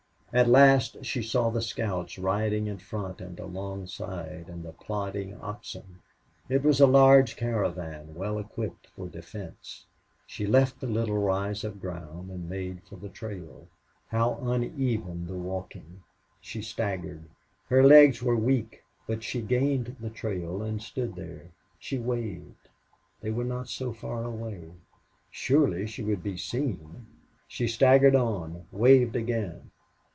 At last she saw the scouts riding in front and alongside, and the plodding oxen. It was a large caravan, well equipped for defense. She left the little rise of ground and made for the trail. How uneven the walking! She staggered. Her legs were weak. But she gained the trail and stood there. She waved. They were not so far away. Surely she would be seen. She staggered on waved again.